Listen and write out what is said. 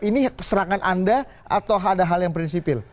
ini serangan anda atau ada hal yang prinsipil